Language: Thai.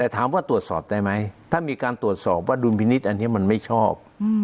แต่ถามว่าตรวจสอบได้ไหมถ้ามีการตรวจสอบว่าดุลพินิษฐ์อันนี้มันไม่ชอบ